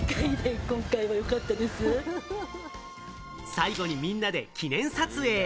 最後にみんなで記念撮影。